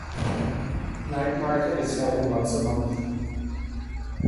Night market is held once a month.